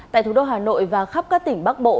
tại thủ đô hà nội và khắp các tỉnh bắc bộ